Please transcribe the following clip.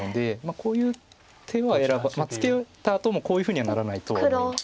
こういう手はツケたあともこういうふうにはならないとは思います。